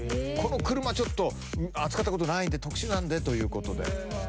この車ちょっと扱ったことないんで特殊なんでということで。